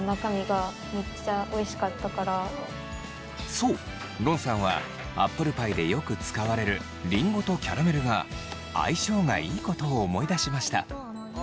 そうロンさんはアップルパイでよく使われるリンゴとキャラメルが相性がいいことを思い出しました。